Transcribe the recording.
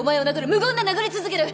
無言で殴り続ける！